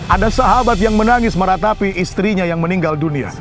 ada sahabat yang menangis meratapi istrinya yang meninggal dunia